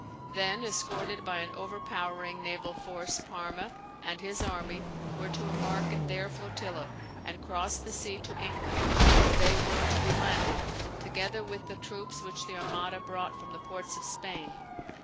Then, escorted by an overpowering naval force, Parma and his army were to embark in their flotilla, and cross the sea to England where they were to be landed, together with the troops which the Armada brought from the ports of Spain.